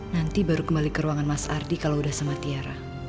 nanti baru kembali ke ruangan mas ardi kalau udah sama tiara